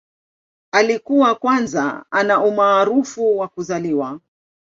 Alikuwa kwanza ana umaarufu wa kuzaliwa.